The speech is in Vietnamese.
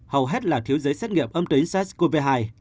hầu hết là thiếu giấy xét nghiệm âm tính sars cov hai